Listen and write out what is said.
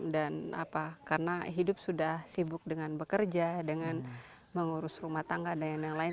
dan apa karena hidup sudah sibuk dengan bekerja dengan mengurus rumah tangga dan yang lain lain